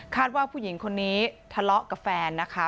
ว่าผู้หญิงคนนี้ทะเลาะกับแฟนนะคะ